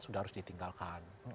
sudah harus ditinggalkan